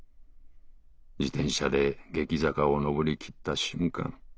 自転車で激坂を登り切った瞬間